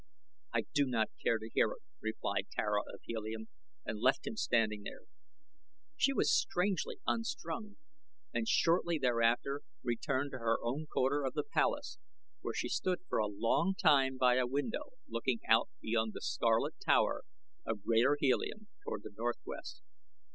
"I do not care to hear it," replied Tara of Helium, and left him standing there. She was strangely unstrung and shortly thereafter returned to her own quarter of the palace, where she stood for a long time by a window looking out beyond the scarlet tower of Greater Helium toward the northwest.